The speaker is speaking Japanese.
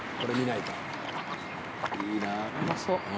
いい福うまそう。